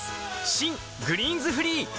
新「グリーンズフリー」